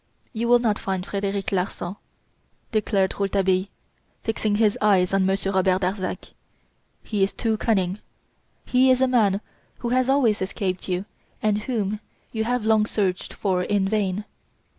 You will not find Frederic Larsan," declared Rouletabille, fixing his eyes on Monsieur Robert Darzac. "He is too cunning. He is a man who has always escaped you and whom you have long searched for in vain.